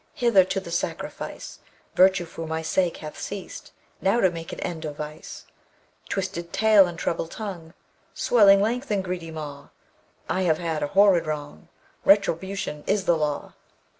Hither to the sacrifice! Virtue for my sake hath ceased: Now to make an end of Vice! Twisted tail and treble tongue, Swelling length and greedy maw! I have had a horrid wrong; Retribution is the law!